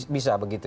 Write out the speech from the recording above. bisa begitu ya